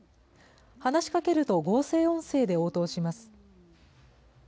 話しかけると合成音声で応答します。